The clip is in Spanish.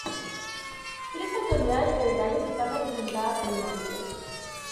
Tres autoridades federales están representadas en Langen.